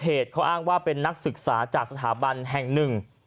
เพจเขาอ้างว่าเป็นนักศึกษาจากสถาบันแห่ง๑